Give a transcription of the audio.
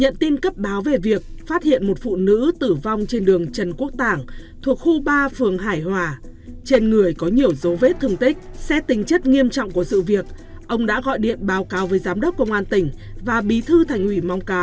hãy đăng ký kênh để ủng hộ kênh của mình nhé